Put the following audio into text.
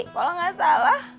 kalau nggak salah